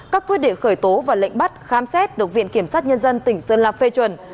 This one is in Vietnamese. các quyết định khởi tố và lệnh bắt khám xét được viện kiểm sát nhân dân tỉnh sơn la phê chuẩn